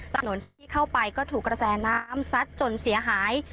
ถนนที่เข้าไปก็ถูกกระแสน้ำซัดจนเสียหาย